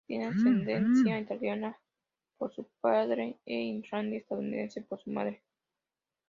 Tiene ascendencia italiana por su padre e irlandesa-estadounidense por su madre.